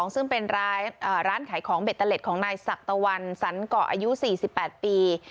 ซึ่งเป็นร้านขายของเบตเตอร์เล็ตของนายศักตะวันสันเกาะอายุ๔๘ปี